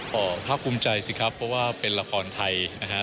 ก็ภาคภูมิใจสิครับเพราะว่าเป็นละครไทยนะฮะ